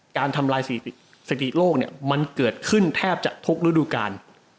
การทำลายสติโลกมันเกิดขึ้นแทบจะทุกรูดูการ